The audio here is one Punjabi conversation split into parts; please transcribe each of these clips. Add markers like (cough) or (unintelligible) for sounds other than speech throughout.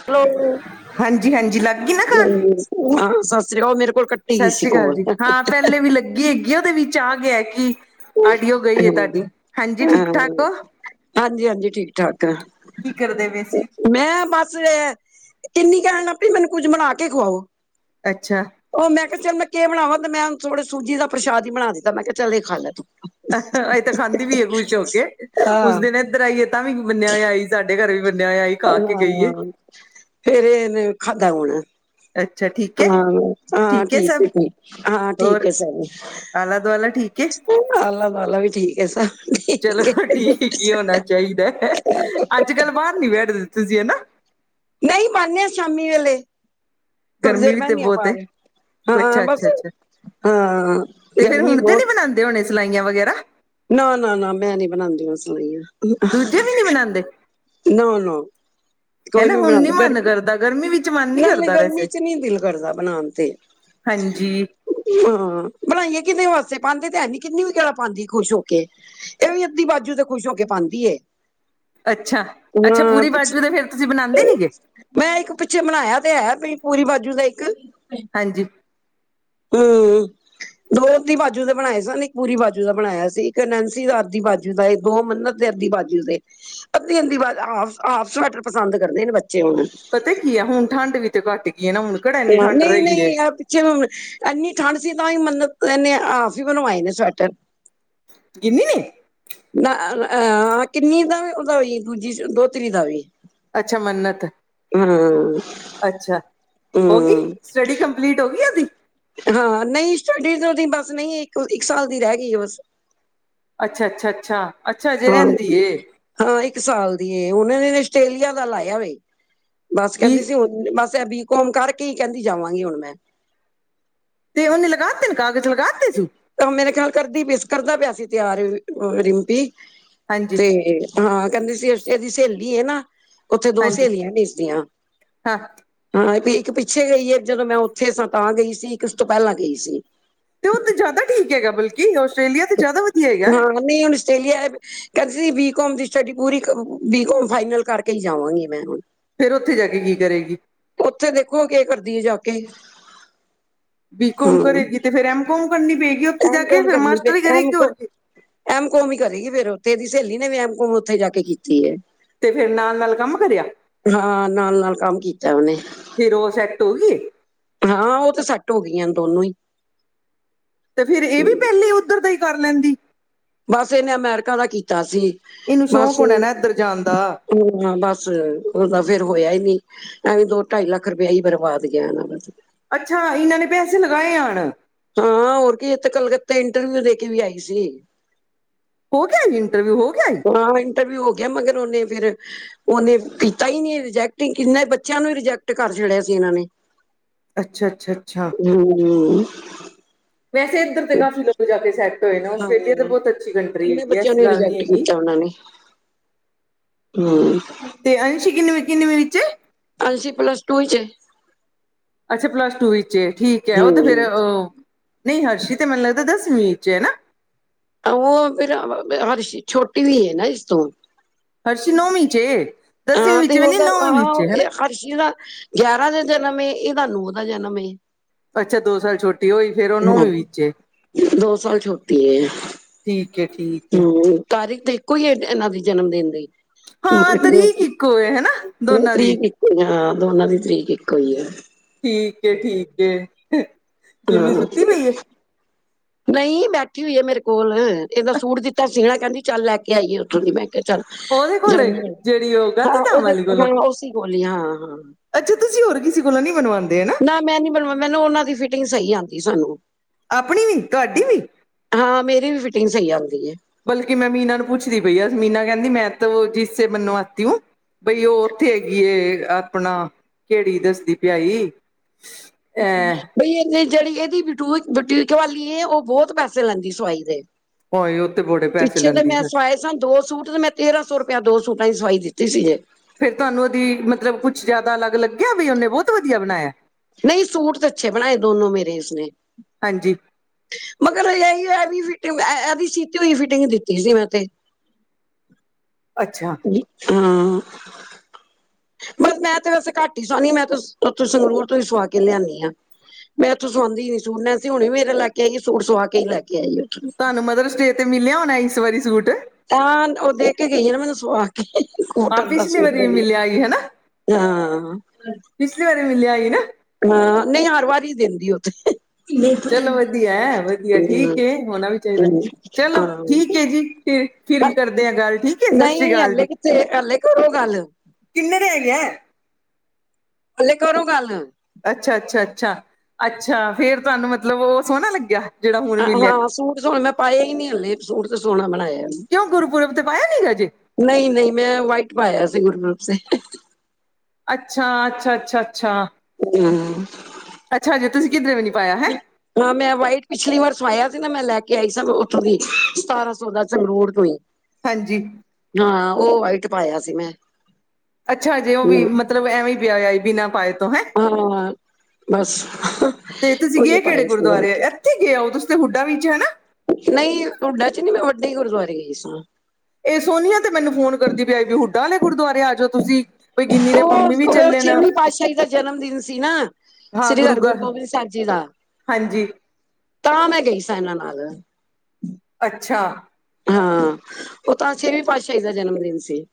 ਹੈਲੋ, ਸਤਿ ਹਾਂਜੀ ਹਾਂਜੀ ਲੱਗ ਗਈ ਨਾ ਕਾਲ ਸ੍ਰੀ ਅਕਾਲ। ਓ ਮੇਰੇ ਕੋਲ। ਕੱਟੀ ਗਈ ਸਤਿ ਸੀ ਸ੍ਰੀ ਅਕਾਲ ਕੋਲ ਜੀ। ਹਾਂ, ਪਹਿਲੇ ਵੀ ਲੱਗੀ ਹੈਗੀ ਉਹਦੇ ਵਿੱਚ ਆ ਗਿਆ ਕਿ। ਆਡੀਓ ਗਈ ਏ ਤੁਹਾਡੀ। ਹਾਂ ਜੀ। ਠੀਕ ਠਾਕ ਹੋ। ਹਾਂਜੀ- ਹਾਂਜੀ ਠੀਕ- ਠਾਕ ਆ। ਕੀ ਕਰਦੇ ਪਏ ਸੀ ਮੈਂ ਬਸ ਇਹ ਕਿੰਨੀ ਕਹਿਣ ਲੱਗ ਪਈ ਮੈਨੂੰ ਕੁੱਝ ਬਣਾ ਕੇ ਖਵਾਓ। ਅੱਛਾ। ਉਹ ਮੈਂ ਕਿਹਾ, ਚੱਲ ਮੈਂ ਕੇ ਬਣਾਵਾਾ ਤੇ ਮੈਂ ਥੋੜ੍ਹਾ ਸੂਜੀ ਦਾ ਪ੍ਰਸ਼ਾਦ ਹੀ ਬਣਾ ਦਿੱਤਾ। ਮੈਂ ਕਿਹਾ, ਚੱਲ ਇਹ ਖਾ ਲੇ ਤੂੰ। ਅਸੀਂ ਤਾਂ ਖਾਂਦੀ ਵੀ ਏ ਖੁਸ਼ ਹੋ ਕੇ। ਉਸ ਹਾਂ ਦਿਨ ਇੱਧਰ ਆਈ ਏ ਤਾਂ ਵੀ ਬੰਨਿਆ ਹੋਇਆ। ਸਾਡੇ ਘਰ ਵੀ ਬੰਨ ਆਇਆ ਸੀ। ਖਾ ਕੇ ਗਈਏ ਹਾਂ। ਫੇਰ ਇਹਨੇ ਖਾਧਾ ਹੁਣ। ਅੱਛਾ ਠੀਕ। ਹੈ ਹਾਂ- ਹਾਂ ਠੀਕ ਹੈ, ਹਾਂ ਠੀਕ ਹੋਰ ਐ ਸਭ। ਆਲਾ- ਦੁਆਲਾ ਠੀਕ ਏ? ਆਲਾ ਦੁਆਲਾ ਵੀ ਠੀਕ ਹੈ ਸਭ ਚਲੋ, ਠੀਕ ਹੈ ਠੀਕ ਹੀ ਹੋਣਾ ਚਾਹੀਦਾ ਹੈ। ਅੱਜ -ਕੱਲ੍ਹ, ਬਾਹਰ ਨੀ ਬੈਠਦੇ ਤੁਸੀਂ ਸੀ ਹਨਾ? ਨਹੀਂ ਬਹਿਨੇ ਆ ਸ਼ਾਮੀ ਵੇਲੇ, ਥੋੜੀ ਗਰਮੀ ਦੇਰ ਵੀ ਤੇ ਬਹਿਨੇ ਆ, ਬਹੁਤ ਹੈ ਬਾਹਰ। ਹਾਂ। ਅੱਛਾ ਬਸ ਅੱਛਾ ਅੱਛਾ ਹਾਂ। ਤੇ ਫਿਰ ਗਰਮੀ ਹੁਣ ਤੇ ਨੀ ਬਹੁਤ। ਬਣਾਉਂਦੇ ਹੋਣੇ, ਸਲਾਈਆਂ ਵਗੈਰਾ ਨਾ- ਨਾ, ਨਾ ਮੈਂ ਨੀ ਬਣਾਉਂਦੀ ਹੁਣ, ਸਲਾਈਆਂ। ਦੂਜੇ ਵੀ ਨੀ ਬਣਾਉਂਦੇ ਨਾ-ਨਾ। ਹੈਨਾ ਹੁਣ ਨੀ ਮਨ ਕਰਦਾ, ਗਰਮੀ ਵਿੱਚ ਮਨ ਨੀ ਨਾਲੇ, ਕਰਦਾ ਗਰਮੀ ਵੈਸੇ ਚ ਨਹੀਂ ਦਿਲ ਕਰਦਾ, ਬਣਾਉਣ ਤੇ। ਹਾਂਜੀ ਹਾਂ, ਬਣਾਈਏ ਕਿਹਦੇ ਵਾਸਤੇ, ਪਾਉਂਦੇ ਤੇ ਹੈ ਨੀ, ਗਿੰਨੀ ਵੀ, ਕਿਹੜਾ ਪਾਉਂਦੀ ਖੁਸ਼ ਹੋ ਕੇ। ਇਹ ਵੀ ਅੱਧੀ ਬਾਜੂ ਦੇ, ਖੁਸ਼ ਹੋ ਕੇ ਪਾਉਂਦੀ ਏ। ਅੱਛਾ, ਅੱਛਾ ਹਾਂ ਪੂਰੀ ਬਾਜੂ ਦੇ ਪਿੱਛੇ ਫੇਰ ਤੁਸੀਂ ਬਣਾਉਂਦੇ ਨੀ ਗੇ? ਮੈਂ ਇੱਕ ਪਿੱਛੇ ਬਣਾਇਆ ਤੇ ਹੈ, ਆਪਣੀ ਪੂਰੀ ਬਾਜੂ ਦਾ ਇੱਕ। ਹਾਂਜੀ। ਹੂੰ, ਦੋ ਅੱਧੀ ਬਾਜੂ ਦੇ ਬਣਾਏ ਸਨ, ਇੱਕ ਪੂਰੀ ਬਾਜੂ ਦਾ ਬਣਾਇਆ ਸੀ, ਇੱਕ ਨੈਂਸੀ ਦਾ ਅੱਧੀ ਬਾਜੂ ਜੂ ਦਾ, ਦੋ ਮੰਨਤ ਦੇ, ਅੱਧੀ ਬਾਜੂ ਦੇ ਅੱਧੀ-ਅੱਧੀ ਬਾ, ਹਾਫ, ਹਾਫ ਸਵੈਟਰ ਪਸੰਦ ਕਰਦੇ ਨੇ ਬੱਚੇ, ਹੁਣ। ਪਤਾ ਕੀ ਆ, ਹੁਨ ਠੰਡ ਵੀ ਤੇ ਘੱਟ ਗੀ ਏ ਨਾ, ਹੁਣ ਕਿਹੜਾ ਇੰਨੀ ਠੰਢ ਰਹੀ ਏ। ਕਿਉਂ ਐਨੀ ਠੰਡ ਸੀ, ਤਾਂ ਵੀ ਮੰਨਤ, ਏਨੇ ਹਾਫ਼ ਈ ਬਨਵਾਏ ਨੇ ਸਵੈਟਰ ਗਿੰਨੀ ਨੇ? ਨਾ, (inaudible) ਕਿੰਨੀ ਦਾ ਵੀ, ਉਹਦਾ ਵੀ ਦੂਜੀ ਦੋਤਰੀ ਦਾ ਵੀ। ਅੱਛਾ, ਮੰੰਨਤ। ਹੂੰ। ਅੱਛਾ, ਹੋਗੀ ਸਟੱਡੀ ਕੰਪਲੀਟ ਹੋਗੀ ਉਹਦੀ? ਹਾਂ, ਨਈ ਸਟੱਡੀ ਤੇ ਓਦੀ ਬਸ ਨਈ, ਇੱਕ, ਇੱਕ ਸਾਲ ਦੀ ਰਹਿ ਗਈ ਏ, ਬਸ। ਅੱਛਾ-ਅੱਛਾ, ਅੱਛਾ, ਅੱਛਾ ਅਜੇ ਹਾਂ ਰਹਿੰਦੀ ਏ। ਹਾਂ ਇੱਕ ਸਾਲ ਦੀ ਏ, ਹੁਨ ਇਹਨੇ ਆਸਟ੍ਰੇਲੀਆ ਦਾ ਲਾਇਆ ਵੇ, ਬਸ ਵੀ ਕਹਿੰਦੀ ਸੀ ਹੁਣ- ਬਸ, ਐ ਬੀ -ਕੋਮ ਕਰਕੇ ਈ, ਕਹਿੰਦੀ ਜਾਵਾਂਗੀ ਹੁਣ ਮੈਂ ਤੇ ਉਹਨੇ ਲਗਾ ਤੇ ਨ, ਕਾਗਜ਼ ਲਗਾ ਤੇ ਸੂ? ਮੇਰੇ ਖਿਆਲ ਕਰਦੀ ਪਈ ਸ, ਕਰਦਾ ਪਿਆ ਸੀ ਤਿਆਰ ਰਿੰਪੀ, ਹਾਂਜੀ ਤੇ ਹਾਂ ਕਹਿੰਦੀ ਸੀ, ਅਸ, ਇਹਦੀ ਸਹੇਲੀ ਏ ਨਾ, ਓੱਥੇ ਦੋ ਹਾਂਜੀ ਸਹੇਲੀਆਂ ਨੇ ਇਸਦੀਆਂ। ਹਾਂ ਹਾਂ, ਇੱਕ ਪਿੱਛੇ ਗਈ ਏ, ਜਦੋ ਮੈਂ ਓੱਥੇ ਸਾਂ, ਤਾਂ ਗਈ ਸੀ। ਇੱਕ ਉਸ ਤੋ ਪਹਿਲਾਂ ਗਈ ਸੀ। ਤੇ ਉਹ ਤੇ ਜਾਦਾ ਠੀਕ ਹੈਗਾ, ਬਲਕਿ ਆਸਟ੍ਰੇਲੀਆ ਤੇ ਜਾਦਾ ਵਧੀਆ ਹੈਗੈ। ਹਾਂ ਨਹੀਂ ਹੁਣ ਆਸਟ੍ਰੇਲੀਆ ਕਹਿੰਦੀ ਸੀ ਬੀ- ਕੋਮ ਦੀ ਸਟੱਡੀ ਪੂਰੀ, ਕ ਬੀ ਕੋਮ ਫਾਈਨਲ ਕਰਕੇ ਹੀ ਜਾਵਾਂਗੀ ਮੈਂ, ਹੁਣ। ਫੇਰ, ਉੱਥੇ ਜਾਕੇ ਕੀ ਕਰੇਗੀ? ਉੱਥੇ, ਦੇਖੋ ਕੇ ਕਰਦੀ ਏ ਜਾਕੇ। ਬੀ -ਕੋਮ ਕਰੇਗੀ, ਤੇ ਫੇਰ ਐਮ -ਕੋਮ ਕਰਨੀ ਪਏਗੀ ਉੱਥੇ ਜਾ ਐਮ ਕੇ, ਕੋਮ ਫੇਰ ਕਰਨੀ ਪਏ ਮਾਸਟਰ ਈ ਐਮ ਕਰੇਗੀ‌, ਹੋਰ ਕੋ ਕਿ ਐਮ ਕੋਮ ਈ ਕਰੇਗੀ ਫੇਰ ਓੱਥੇ, ਏਹਦੀ ਸਹੇਲੀ ਨੇ ਵੀ ਐਮ -ਕੋਮ ਓਥੇ ਜਾ ਕੇ ਕੀਤੀ ਏ। ਤੇ ਫੇਰ ਨਾਲ ਨਾਲ ਕੰਮ ਕਰਿਆ ਹਾਂ, ਨਾਲ-ਨਾਲ, ਕੰਮ ਕੀਤੈ ਉਹਨੇ। ਫਿਰ, ਉਹ ਸੈਟ ਹੋਗੀ? ਹਾਂ, ਉਹ ਤੇ ਸੈਟ ਹੋਗੀਆ ਨ ਦੋਨੋਂ ਈ। ਤੇ ਫੇਰ ਏ ਵੀ, ਪਹਿਲੇ ਉੱਧਰ ਦਾ ਈ ਕਰ ਲੈਂਦੀ। ਬਸ ਇਹਨੇ, ਅਮੈਰੀਕਾ ਦਾ ਕੀਤਾ ਸੀ। ਇਹਨੂੰ ਸ਼ੌਕ ਹੋਣੈ ਨਾ, ਇੱਧਰ ਜਾਣ ਦਾ ਹੂੰ, ਬਸ ਉਹਦਾ ਫੇਰ ਹੋਇਆ ਈ ਨੀ, ਐਵੇਂ ਦੋ-ਢਾਈ ਲੱਖ ਰੁਪਇਆ ਈ ਬਰਬਾਦ ਗਿਆ ਨਾ। ਬਸ ਅੱਛਾ, ਇਨਾਂ ਨੇ ਪੈਸੇ ਲਗਾਏ ਐ ਹਣ? ਹਾਂ, ਹੋਰ ਕੀ ਇਹ ਤੇ ਕਲਕੱਤੇ ਇੰਟਰਵਿਊ ਦੇ ਕੇ ਵੀ ਆਈ ਸੀ। ਹੋ ਗਿਆ ਜੀ ਇੰਟਰਵਿਊ, ਹੋ ਗਿਆ ਈ? ਹਾਂ, ਇੰਟਰਵਿਊ ਹੋ ਗਿਆ ਐ ਮਗਰ ਓਨੇ ਫੇਰ ਓਨੇ ਕੀਤਾ ਈ ਨਈ, ਰਿਜੈਕਟ ਈ ਕਿੰਨੇ ਬਚਿਆਂ ਨੂੰ ਰਿਜੈਕਟ ਕਰ ਛੱਡਿਆ ਸੀ ਇਨਾਂ ਨੇ। ਅੱਛਾ, ਅੱਛਾ, ਅੱਛਾ। ਹੂੰ। ਵੈਸੇ, ਐੱਧਰ ਤੇ ਕਾਫ਼ੀ ਲੋਗ ਜਾਕੇ ਸੈਟ ਹੋਏ ਨੇ, ਹਾਂ ਆਸਟ੍ਰੇਲੀਆ ਤਾਂ ਬਹੁਤ ਅੱਛੀ ਕੰਟਰੀ ਕਿੰਨੇ ਹੈਗੀ ਏ, ਬੱਚਿਆਂ ਐਸੀ ਨੂੰ ਗੱਲ ਨੀ ਰਿਜੈਕਟ ਹੈਗੀ। ਕੀਤਾ ਹੂੰ। ਤੇ ਅੰਸ਼ੀ ਕਿੰਨਵੀ-ਕਿੰਨਵੀ ਵਿੱਚ ਏ? ਅੰਸ਼ੀ ਪਲਸ ਟੂ ਵਿੱਚ ਏ। ਅੱਛਾ, ਪਲੱਸ ਟੂ ਇੱਚ ਏ, ਠੀਕ ਏ, ਓ ਤੇ ਫੇਰ ਹਮ ਅ ਨਈ ਹਰਸ਼ੀ ਤੇ ਮੈਨੂੰ ਲੱਗਦਾ ਦਸਵੀ ਵਿੱਚ ਏ ਨਾ। ਆਹੋ ਫੇਰ (inaudible) ਹਰਸ਼ੀ ਛੋਟੀ ਵੀ ਏ ਨਾ ਇਸ ਤੋਂ ਹਰਸ਼ੀ ਨੌਵੀਂ ਚ ਏ, ਦਸਵੀਂ ਹਾਂ ਵਿੱਚ ਤੇ ਵੀ ਨੀ, ਉਹਦਾ ਨੌਵੀਂ ਵਿੱਚ ਹਾਂ ਏ। ਹਰਸ਼ੀ ਦਾ ਗਿਆਰਾ ਦਾ ਜਨਮ ਏ, ਇਦਾ ਨੌ ਦਾ ਜਨਮ ਏ। ਅੱਛਾ ਦੋ ਸਾਲ ਛੋਟੀ ਹੋਈ, ਫੇਰ ਉਹ ਨੌਵੀਂ ਹੂੰ, ਵਿੱਚ ਏ ਦੋ ਸਾਲ ਛੋਟੀ ਏ। ਠੀਕ ਐ ਠੀਕ, ਏ ਹੂੰ, ਤਾਰੀਖ ਤੇ ਇੱਕੋ ਈ ਏ ਇਹਨਾਂ ਦੇ ਜਨਮ ਦਿਨ ਦੀ, ਹਾਂ ਤਰੀਕ ਇੱਕੋ ਏ ਹਨਾ ਉਹ ਦੋਨਾਂ ਦੀ ਤਰੀਕ ਇੱਕ ਹਾਂ ਦੋਨਾਂ ਦੀ ਤਰੀਕ ਇੱਕੋ ਈ ਏ। ਠੀਕ ਐ ਠੀਕ ਐ ਗਿਨੀ ਸੁੱਤੀ ਪਈ? ਨਹੀ ਬੈਠੀ ਹੋਈ ਆ ਮੇਰੇ ਕੋਲ ਏਦਾਂ ਸੂਟ ਦਿੱਤਾ ਸੀਣਾ ਕਹਿੰਦੀ ਚੱਲ ਲੈ ਕੇ ਆਈਏ ਉੱਥੋਂ ਦੀ ਮੈਂ, ਚੱਲ, ਉਹਦੇ ਕੋਲ ਏ ਜਾਣੀ ਆ ਜਿਹੜੀ ਉਹ ਗਾਂਧੀ ਹਾਂ ਧਾਮ ਉਹਦੇ ਵਾਲੀ ਕੋਲੋਂ ਹਾਂ ਉਸੀ ਗੋਲੀਆਂ ਹਾਂ! ਅੱਛਾ, ਤੁਸੀਂ ਹੋਰ ਕਿਸੇ ਕੋਲ ਨੀ ਬਣਵਾਂਦੇ ਹਨਾ? ਨਾ ਮੈਂ ਨੀ ਬਣਵਾ ਮੈਨੂੰ ਉਹਨਾਂ ਦੀ ਫਿਟਿੰਗ ਸਹੀ ਆਂਦੀ ਸਾਨੂੰ, ਆਪਣੀ ਵੀ ਤੁਹਾਡੀ ਵੀ! ਹਾਂ, ਮੇਰੀ ਵੀ ਫਿਟਿੰਗ ਸਹੀ ਆਂਦੀ ਐ, ਬਲਕਿ ਮੈਂ ਮੀਨਾ ਨੂੰ ਪੁੱਛਦੀ ਪਈ ਆ ਮੀਨਾ ਕਹਿੰਦੀ ਮੈਂ ਤੋਹ ਜਿਸ ਸੇ ਬਣਵਾਤੀ ਹੂੰ, ਬਈ ਉਹ ਉੱਥੇ ਹੈਗੀਏ ਆਪਣਾ ਕਿਹੜੀ ਦੱਸਦੀ ਪਈ, (inaudible) ਬਈ ਇਹ ਤੇ ਜਿਹੜੀ ਇਹਦੀ ਬਟੂਕ ਬਟੀਕ ਵਾਲੀ ਉਹ ਬਹੁਤ ਪੈਸੇ ਲੈਂਦੀ ਸਵਾਈ ਦੇ, ਹੋਏ ਉਹ ਤੇ ਬੜੇ ਪੈਸੇ ਪਿੱਛੇ ਤਾਂ ਲੈਂਦੀ ਮੈਂ ਫਿਰ ਸਵਾਏ! ਦੋ ਸੂਟ ਤੇ ਮੈਂ ਤੇਰਾਂ ਸੌ ਰੁਪਇਆ ਦੋ ਸੂਟਾਂ ਦੀ ਸਵਾਈ ਦਿੱਤੀ ਸੀ ਜੇ! ਫੇਰ ਤੁਹਾਨੂੰ ਉਹਦੀ ਮਤਲਬ ਕੁਛ ਜ਼ਿਆਦਾ ਅਲੱਗ ਲੱਗਿਆ ਵੀ ਉਹਨੇ ਬਹੁਤ ਵਧੀਆ ਬਣਾਇਆ, ਨਹੀ ਸੂਟ ਤਾਂ ਅੱਛੇ ਬਣਾਏ ਦੋਨੋ ਮੇਰੇ ਉਸਨੇ, ਹਾਂਜੀ ਮਗਰ ਇਹੀ ਐ ਵੀ ਫਿਟਿੰਗ ਇਹ ਇਹ ਵੀ ਸੀਤੀ ਹੋਈ ਫਿਟਿੰਗ ਦਿੱਤੀ ਸੀ ਮੈਂ ਤੇ! ਅੱਛਾ! ਹਾਂ, ਬਸ ਮੈਂ ਤੇ ਵਸ ਘੱਟ ਹੀ ਸਵਾਣੀ ਮੈਂ ਤਾਂ ਉੱਥੋਂ ਸੰਗਰੂਰ ਤੋਂ ਹੀ ਸਵਾ ਕੇ ਲਿਆਂਣੀ ਆ। ਮੈਂ ਇੱਥੋਂ ਸਵਾਉਦੀ ਨੀਂ ਸੂਟ ਮੈਂ ਸੋਂ ਹੁਣੇ ਮੇਰਾ ਲੈ ਕੇ ਆਈ ਸੂਟ ਸਵਾ ਕੇ ਹੀ ਲੈ ਕੇ ਆਈ ਆ, ਤੁਹਾਨੂੰ ਮਦਰਸ ਡੇ ਤੇ ਮਿਲਿਆ ਹੋਣਾ ਇਸ ਵਾਰੀ ਸੂਟ? ਹਾਂ, ਓ ਦੇ ਕੇ ਗਈ ਆ ਨਾ ਮੈਨੂੰ ਸੋ, ਹਾਂ ਕੋਟਨ ਦਾ ਪਿਛਲੀ ਸੂਟ ਵਾਰੀ ਵੀ ਮਿਲਿਆ ਹੀ ਹਨਾ ਵਧੀਆ ਹਾਂ! ਪਿਛਲੀ ਵਾਰੀ ਮਿਲਿਆ ਸੀ ਨਾ! ਹਾਂ ਨਹੀਂ ਹਰ ਵਾਰ ਹੀ ਦਿੰਦੀ ਓ ਤੇ! ਚਲੋ ਵਧੀਆ ਵਧੀਆ ਠੀਕ ਹੂੰ ਐ ਹੋਣਾ ਵੀ ਚਾਹੀਦਾ ਚਲੋ ਹਾਂ ਠੀਕ ਐ ਜੀ। ਫਿਰ ਫਿਰ ਕਰਦੇ ਆ ਗੱਲ ਠੀਕ ਐ ਸਤਿ ਸ਼੍ਰੀ ਨਹੀਂ ਅਕਾਲ ਜੀ। ਹਲੇ ਕਿਥੇ ਹਲੇ ਕਰੋ ਗੱਲ ਕਿੰਨੇ ਰਹਿ ਗੇ? ਹਲੇ ਕਰੋ ਗੱਲ! ਅੱਛਾ ਅੱਛਾ ਅੱਛਾ, ਅੱਛਾ ਫੇਰ ਤੁਹਾਨੂੰ ਮਤਲਬ ਉਹ ਸੋਹਣਾ ਲੱਗਿਆ? ਜਿਹੜਾ ਹੁਣ ਹਾਂ ਮਿਲਿਆ। ਹਾਂ, ਸੂਟ ਸੋਹਣੇ ਮੈਂ ਪਾਏ ਹੀ ਨੀ ਹੱਲੇ ਸੂਟ ਤੇ ਸੋਹਣਾ ਬਣਾਇਆ! ਕਿਉ ਗੁਰਪੁਰਬ ਤੇ ਪਾਇਆ ਨੀ ਅਜੇ! ਨਹੀਂ -ਨਹੀਂ ਮੈਂ ਵਾਈਟ ਪਾਇਆ ਸੀ ਗੁਰੂਪੁਰਬ ਤੇ! ਅੱਛਾ, ਅੱਛਾ, ਅੱਛਾ, ਅੱਛਾ,,,,, ਹੱਮ, ਹਮ,,, ਅੱਛਾ, ਹਜੇ ਤੁਸੀਂ ਕਿੱਧਰੇ ਵੇ ਨਈ,, (inaudible) (inaudible) ਹਾਂ ਮੈਂ ਵਾਈਟ ਪਿਛਲੀ ਵਾਰ ਸਵਾਇਆ ਸੀ ਨਾ ਮੈਂ ਲੈ ਕੇ ਆਈ ਸੀ ਉੱਥੋਂ ਦੀ ਸਤਾਰਾਂ ਸੌ ਦਾ ਸੰਗਰੂਰ ਤੋਂ ਹੀ! ਹਾਂਜੀ! ਹਾਂ ਉਹ ਵਾਈਟ ਪਾਇਆ ਸੀ ਮੈਂ, ਅੱਛਾ ਹਜੇ ਉਹ ਵੀ ਹੂੰ, ਮਤਲਬ ਐਵੇਂ ਹੀ ਪਿਆ ਹੋਇਆ ਬਿਨਾਂ ਪਾਏ! ਤੋਂ ਹੈਂ। ਹਾਂ! ਬਸ,,,, ਤੇ ਤੁਸੀਂ ਉਹੀ ਗਏ ਕਿਹੜੇ ਪਿਆ ਸਿਆ ਗੁਰਦੁਆਰੇ ਉਥੇ, ਇੱਥੇ ਗਏ ਹੋ ਤੁਸੀਂ ਤੇ ਹੁੱਡਾ ਵਿੱਚ ਹਨਾ। (unintelligible) (unintelligible) ਇਹ ਸੋਨੀਆ ਤੇ ਮੈਨੂੰ ਫੋਨ ਕਰਦੀ ਪਈ ਆ ਹੁੱਡਾ ਵਾਲੇ ਗੁਰਦੁਆਰੇ ਆ ਜਾਓ ਤੁਸੀ! ਉਹ-ਉਹ ਛੇਵੀ ਪਾਤਸ਼ਾਹੀ ਦਾ ਜਨਮ ਦਿਨ ਸੀ ਨਾ। ਹਾਂ ਸ੍ਰੀ ਗੁਰੂ ਹਰਿਗੁਰੂ ਗ੍ਰੰ ਗੋਬਿੰਦ ਸਾਹਿਬ ਜੀ ਦਾ। ਹਾਂਜੀ। ਤਾਂ ਮੈਂ ਗਈ ਸਾਂ ਇਹਨਾਂ ਨਾਲ ਅੱਛਾ। ਹਾਂ। ਉਹ ਤਾਂ ਛੇਵੀਂ ਪਾਤਸ਼ਾਹੀ ਦਾ ਜਨਮ ਦਿਨ ਸੀ।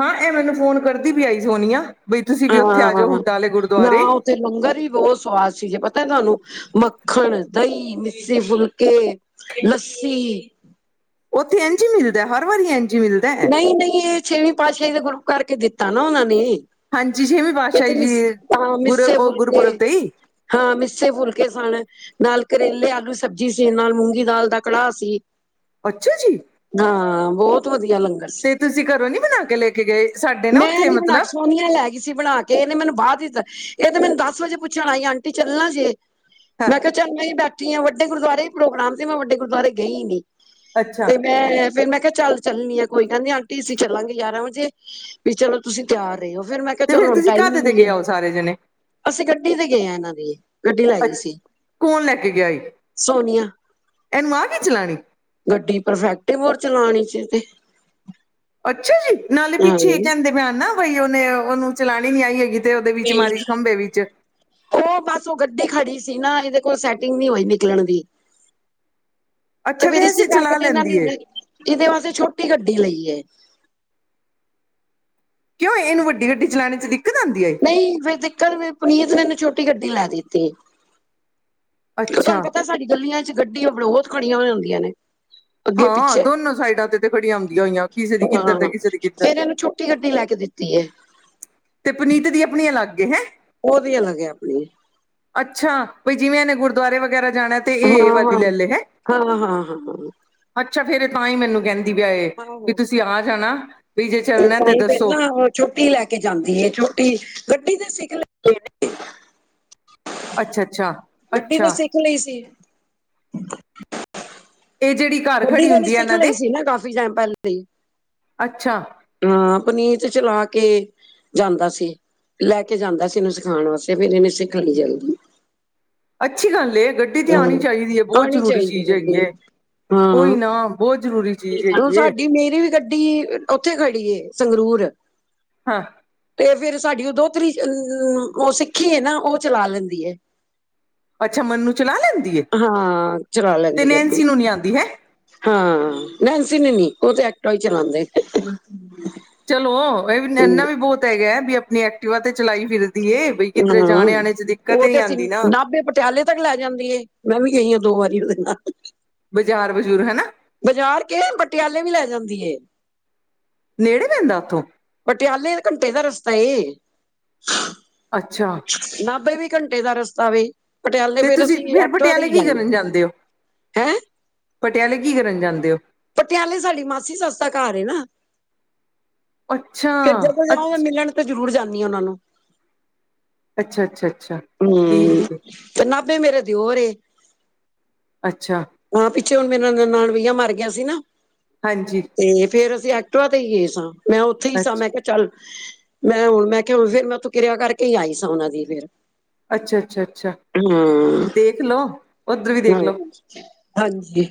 ਹਾਂ ਇਹ ਮੈਨੂੰ ਫੋਨ ਕਰਦੀ ਵੀ ਆਈ ਸੋਨੀਆ, ਬਈ ਤੁਸੀਂ ਵੀ ਉੱਥੇ ਆ ਜਾਓ ਹੁੱਡਾ ਵਾਲੇ ਗੁਰਦੁਆਰੇ ਤੇ ਲੰਗਰ ਹੀ ਬਹੁਤ ਸਵਾਦ ਸੀ। ਪਤਾ ਤੁਹਾਨੂੰ ਮੱਖਣ, ਦਹੀਂ, ਮਿੱਸੇ ਫੁਲਕੇ, ਲੱਸੀ ਉੱਥੇ ਇੰਝ ਹੀ ਮਿਲਦਾ, ਹਰ ਵਾਰੀ ਐੰਝ ਨਹੀਂ-ਨਹੀਂ ਇਹ ਛੇਵੀਂ ਪਾਤਸ਼ਾਹੀ ਦਾ ਗੁਰਪੁਰਬ ਕਰਕੇ ਦਿੱਤਾ ਨਾ ਉਹਨਾਂ ਨੇ। ਹਾਂਜੀ ਛੇਵੀਂ ਸਿੱ- ਤੇ ਪਾਤਸ਼ਾਹੀ ਜੀ ਮਿੱਸੇ ਗੁਰਪੁਰਬ ਉਹ ਫੁਲਕੇ ਗੁਰਪੁਰਬ ਤੇ ਹੀ ਹਾਂ। ਮਿੱਸੇ ਫੁਲਕੇ ਸਣਾ ਨਾਲ ਕਰੇਲੇ, ਆਲੂ ਸਬਜ਼ੀ ਸੀ। ਨਾਲ ਮੂੰਗੀ ਦਾਲ ਦਾ ਕੜਾਹ ਸੀ। ਅੱਛਾ ਜੀ ਹਾਂ। ਬਹੁਤ ਵਧੀਆ ਲੰਗਰ ਸੀ। ਤੇ ਤੁਸੀਂ ਘਰੋਂ ਨੀ ਬਣਾ ਕੇ ਲੈ ਕੇ ਗਏ। ਸਾਡੇ ਨਾ ਮੈਂ ਉੱਥੇ ਨੀ ਬਣਾ ਕੇ ਮਤਲਬ ਸੋਨੀਆ ਲੈ ਗਈ ਸੀ ਬਣਾ ਕੇ ਇਹਨੇ ਮੈਨੂੰ ਬਾਦ ਦੱਸਿਆ। ਇਹ ਤੇ ਮੈਨੂੰ ਦਸ ਵਜੇ ਪੁੱਛਣਾ ਆਈ ਆਂਟੀ ਚੱਲਣਾ ਜੇ। ਹਾਂ ਮੈਂ ਕਿਹਾ ਚੱਲ ਮੈਂ ਬੈਠੀ ਹਾਂ। ਵਡੇ ਗੁਰਦੁਆਰੇ ਹੀ ਪ੍ਰੋਗਰਾਮ ਤੇ ਮੈਂ ਵੱਡੇ ਗੁਰਦੁਆਰੇ ਗਈ ਨੀ। ਅੱਛਾ ਤੇ ਮੈਂ, ਫੇਰ ਮੈਂ ਕਿਹਾ ਚੱਲ ਚੱਲਣੀ ਆ। ਕੋਈ ਗੱਲ ਨੀ ਆਂਟੀ ਅਸੀਂ ਚੱਲਾਂਗੇ ਗਿਆਰਾਂ ਵਜੇ। ਵੀ ਚਲੋ ਤੁਸੀਂ ਤਿਆਰ ਰਹੇ ਹੋ। ਫੇਰ ਮੈਂ ਕਿਹਾ, ਤੇ ਚਲੋ ਫਿਰ ਹੁਣ ਤੁਸੀਂ ਟਾਈਮ ਹੀ ਕਾਹਦੇ ਤੇ ਨਹੀਂ ਗਏ ਹੈ। ਹੋ ਸਾਰੇ ਜਣੇ ਅਸੀਂ ਗੱਡੀ ਤੇ ਗਏ ਹਾਂ। ਇਹਨਾਂ ਦੀ। ਗੱਡੀ ਲੈ ਅ ਗਈ ਸੀ। ਕੌਣ ਲੈ ਕੇ ਗਿਆ ਈ ਸੋਨੀਆ। ਇਹਨੂੰ ਆ ਗਈ ਚਲਾਣੀ ਗੱਡੀ ਪਰਫੈਕਟ ਹੋਰ ਚਲਾਣੀ ਚ' ਤੇ। ਅੱਛਾ ਜੀ! ਨਾਲੇ ਹਾਂ ਪਿੱਛੇ ਕਹਿੰਦੇ ਮੈਂ ਨਾ ਬਈ ਉਹਨੇ ਉਹਨੂੰ ਚਲਾਉਣੀ ਨੀ ਆਈ ਹੈਗੀ। ਉਹਦੇ ਵਿੱਚ ਮਾਰੀ ਖੰਭੇ ਵਿੱਚ। ਉਹ ਬਸ ਉਹ ਗੱਡੀ ਖੜੀ ਸੀ ਨਾ, ਇਹਦੇ ਕੋਲ ਸੈਟਿੰਗ ਨਹੀਂ ਹੋਈ ਨਿਕਲਣ ਦੀ। ਅੱਛਾ। ਵੈਸੇ ਚਲਾ ਲੈਂਦੀ ਏ। ਇਦੇ ਵਾਸਤੇ ਛੋਟੀ ਗੱਡੀ ਲਈ ਹੈ। ਕਿਉਂ ਇਹਨੂੰ ਵੱਡੀ ਗੱਡੀ ਚਲਾਉਣੇ ਚ' ਦਿੱਕਤ ਆਉਂਦੀ ਏ। ਨਹੀਂ, ਫੇਰ ਦੇਖਣ ਪੁਨੀਤ ਮੈਨੂੰ ਛੋਟੀ ਗੱਡੀ ਲੈ ਦਿੱਤੀ। ਅੱਛਾ ਤੁਹਾਨੂੰ ਪਤਾ ਸਾਡੀ ਗੱਲੀਆਂ ਚ' ਗੱਡੀਆਂ ਬਹੁਤ ਖੜੀਆਂ ਹੋ ਹੁੰਦੀਆਂ ਨੇ। ਅੱਗੇ- ਹਾਂ ਪਿੱਛੇ, ਦੋਨੋ ਸਾਈਡਾਂ ਤੇ ਤੇ ਖੜੀਆਂ ਹੁੰਦੀਆਂ ਹੋਈਆਂ ਕਿਸੇ ਦੀ ਕਿੱਧਰ ਤੇ ਹਾਂ। ਕਿਸੇ ਦੀ ਕਿੱਧਰ ਫੇਿਰ ਇਹਨੂੰ ਛੁ ਚਿੱਟੀ ਗੱਡੀ ਲੈ ਕੇ ਦਿੱਤੀ ਹੈ। ਤੇ ਪੁਨੀਤ ਦੀ ਆਪਣੀ ਅਲੱਗ ਏ ਹੈਂ। ਉਹ ਦੀ ਅੱਲਗ ਆਪਣੀ ਅੱਛਾ। ਬਈ ਜਿਵੇਂ ਇਹਨੇ ਗੁਰਦੁਆਰੇ ਵਗੈਰਾ ਜਾਣਾ। ਤੇ ਹਾਂ ਇਹ ਇਹ -ਹਾਂ ਵਾਲੀ -ਹਾਂ- ਲੈ ਲੇ ਹੈਂ ਹਾਂ- ਹਾਂ- ਹਾਂ ਅੱਛਾ। ਫੇਰ ਤਾਂ ਹੀ ਮੈਨੂੰ ਕਹਿੰਦੀ ਪੀਆ ਇਹ, ਵੀ ਆਹੋ ਤੁਸੀਂ ਆ ਜਾਣਾ। ਵੀ ਜੇ ਇਹ ਚੱਲਣਾ ਤਾਂ ਤੇ ਹੀ ਫਿਰ ਦੱਸੋ। ਨਾ ਉਹ ਛੋਟੀ ਲੈ ਕੇ ਜਾਂਦੀ ਹੈ। ਛੋਟੀ, ਗੱਡੀ ਦੇ ਸਿਗਖ ਅੱਛਾ ਅੱਛਾ -ਅੱਛਾ! ਖੁਲੀ ਸੀ। ਇਹ ਜਿਹੜੀ ਘਰ ਵੱਡੀ ਖੜੀ ਗੱਡੀ ਹੁੰਦੀ ਆ ਸਿੱਖ ਇਹਨਾਂ ਲਈ ਦੇ ਸੀ ਨਾ ਕਾਫੀ ਟਾਈਮ ਪਹਿਲੇ ਹੀ। ਅੱਛਾ ਹਾਂ। ਪਨੀਰ ਚ' ਚਲਾ ਕੇ ਜਾਂਦਾ ਸੀ। ਲੈ ਕੇ ਜਾਂਦਾ ਸੀ, ਇਹਨੂੰ ਸਿਖਾਉਣ ਵਾਸਤੇ, ਫੇਰ ਇਹਨੇ ਸਿੱਖ ਲਈ ਜਲਦੀ। ਅੱਛੀ ਗੱਲ ਏ। ਗੱਡੀ ਤੇ ਆਉਣੀ ਹੂੰ। ਚਾਹੀਦੀ ਹੈ। ਬਹੁਤ ਆਣੀ ਜ਼ਰੂਰੀ ਚਾਹੀਦੀ ਚੀਜ਼ ਹੈਗੀ। ਗੱਡੀ ਹਾਂ ਉਹੀਨਾ, ਬਹੁਤ ਜ਼ਰੂਰੀ ਚੀਜ਼ ਹੁਣ ਹੈਗੀ ਹੈ। ਸਾਡੀ ਮੇਰੀ ਵੀ ਗੱਡੀ ਉੱਥੇ ਖੜੀ ਏ, ਸੰਗਰੂਰ। ਹਾਂ। ਤੇ ਫੇਰ ਸਾਡੀ ਉਹ ਦੋਹਤਰੀ ਉਹ ਸਿੱਖੀ ਹੈ ਨਾ। ਉਹ ਚਲਾ ਲੈਂਦੀ ਏ। ਅੱਛਾ। ਮਨਨੂੰ ਚਲਾ ਲੈਂਦੀ ਏ। ਹਾਂ ਚਲਾ ਤੇ ਲੈਂਦੀ ਗੱਡੀ ਨੈਨਸੀ ਨੂੰ ਨੀ ਆਉਂਦੀ ਹੈਂ। ਹਾਂ। ਨੈਨਸੀ ਨੂੰ ਨੀ ਉਹ ਤੇ ਐਕਟਾ ਹੀ ਚਲਾਉਂਦੇ ਨ। ਚਲੋ, ਇਹ ਵੀ ਇੰਨਾ ਵੀ ਬਹੁਤ ਹੈਗਾ। ਵੀ ਆਪਣੀ ਐ ਐਕਟੀਵਾ ਤੇ ਚਲਾਈ ਫਿਰਦੀ ਏ, ਬਈ ਕਿੱਧਰੇ ਹਾਂ ਜਾਣੇ -ਆਣੇ ਚ ਦਿੱਕਤ ਹੀ ਉਹ ਤੇ ਨਹੀਂ ਅਸੀਂ ਆਉਂਦੀ ਨਾ। ਨਾਭੇ ਪਟਿਆਲੇ ਤੱਕ ਲੈ ਜਾਂਦੀ ਏ। ਮੈਂ ਵੀ ਗਈ ਹਾਂ ਦੋ ਵਾਰੀ ਉਹਦੇ ਨਾਲ। ਬਾਜ਼ਾਰ -ਬਜ਼ੂਰ ਹਨਾ। ਬਾਜ਼ਾਰ ਕਿਹੜੇ ਪਟਿਆਲੇ ਵੀ ਲੈ ਜਾਂਦੀ ਏ। ਨੇੜੇ ਪੈਂਦਾ ਉੱਥੋਂ? ਪਟਿਆਲੇ ਘੰਟੇ ਦਾ ਰਸਤਾ ਏ। ਅੱਛਾ ਨਾਭੇ ਵੀ ਘੰਟੇ ਦਾ ਰਸਤਾ ਵੇ। ਪਟਿਆਲੇ ਤੇ ਫੇਰ ਤੁਸੀਂ ਅਸੀਂ ਐਕਟਵਾ ਪਟਿਆਲੇ ਦੇ ਕੀ ਜਾਂਦੇ ਕਰਨ ਹਾਂ। ਹੋ ਹੈਂ ਪਟਿਆਲੇ ਕੀ ਕਰਨ ਜਾਂਦੇ ਓ। ਪਟਿਆਲੇ ਸਾਡੀ ਮਾਸੀ ਸੱਸ ਘਰ ਏ ਨਾ। ਅੱਛਾ ਤੇ, ਫਿਰ ਜਦੋਂ ਅ ਜਾਵਾ, ਮਿਲਣ ਤਾਂ ਜ਼ਰੂਰ ਜਾਂਦੀ ਹ ਉਹਨਾਂ ਨੂੰ ਅੱਛਾ ਅੱਛਾ ਅੱਛਾ ਹੂੰ, ਠੀਕ ਹੈ। ਤੇ ਨਾਭੇ ਮੇਰੇ ਦਿਓਰ ਏ। ਅੱਛਾ ਹਾਂ। ਪਿੱਛੇ ਹੁਣ ਮੇਰੇ ਨੰਨਾਣਵਈਆ ਮਰ ਗਿਆ ਸੀ ਨਾ। ਹਾਂਜੀ ਤੇ ਫੇਰ ਅਸੀਂ ਐਕਟਿਵਾ ਤੇ ਹੀ ਗਏ ਸਾਂ। ਮੈਂ ਉੱਥੇ ਹੀ ਸਾਂ ਅੱਛ ਮੈਂ ਚੱਲ, ਮੈਂ ਹੁਣ ਮੈਂ ਕਿਹਾ ਹੁ ਫਿਰ ਮੈਂ ਉਥੋਂ ਕਿਰਿਆ ਕਰਕੇ ਹੀ ਆਈ ਸਾਂ। ਉਹਨਾ ਦੀ ਫੇਰ ਅੱਛਾ ਅੱਛਾ ਅੱਛਾ ਹੂੰ, ਦੇਖ ਲਉ ਉੱਧਰ ਵੀ ਹਾਂ, ਦੇਖ ਲਓ। ਹਾਂਜੀ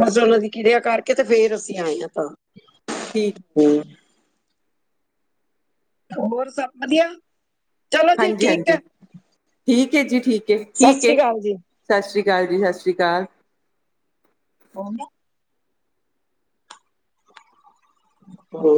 ਬਸ ਉਹਨਾਂ ਦੀ ਕਿਰਿਆ ਕਰਕੇ ਤੇ ਫੇਰ ਅਸੀਂ ਆਏ ਆ ਘਰ। ਕੀ ਹੂੰ ਹੋਰ ਸਭ ਵਧੀਆ। ਚਲੋ ਜੀ ਹਾਂਜੀ ਠੀਕ ਹਾਂਜੀ ਹੈ ਠੀਕ ਹੈ ਜੀ, ਠੀਕ ਹੈ ਸਤਿ ਠੀਕ ਹੈ। ਸ੍ਰੀ ਅਕਾਲ ਜੀ ਸਤਿ ਸ਼੍ਰੀ ਅਕਾਲ ਜੀ, ਸਤਿ ਸ਼੍ਰੀ ਅਕਾਲ। ਹੋਗਿਆ। ਹੂੰ